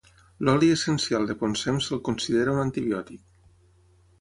L'oli essencial de poncem se'l considera un antibiòtic.